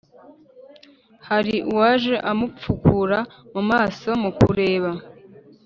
hari uwaje amupfukura mumaso mukureba